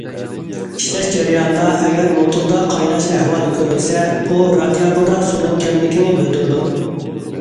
ئىشلەش جەريانىدا، ئەگەر موتوردا قايناش ئەھۋالى كۆرۈلسە، بۇ رادىياتوردا سۇنىڭ كەملىكىنى بىلدۈرىدۇ.